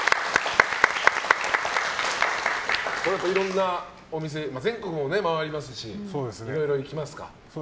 やっぱりいろんなお店全国も周りますしいろいろ行きますか。